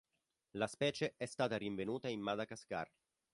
La specie è stata rinvenuta in Madagascar.